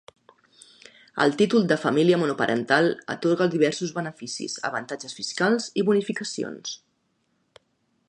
El títol de família monoparental atorga diversos beneficis, avantatges fiscals i bonificacions.